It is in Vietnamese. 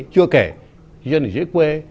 chưa kể dân ở dưới quê